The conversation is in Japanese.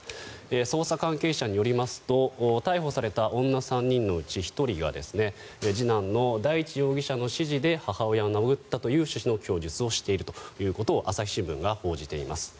捜査関係者によりますと逮捕された女３人のうち１人が次男の大地容疑者の指示で母親を殴ったという趣旨の供述をしているということを朝日新聞が報じています。